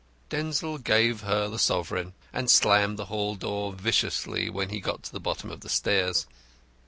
Denzil gave her the sovereign, and slammed the hall door viciously when he got to the bottom of the stairs.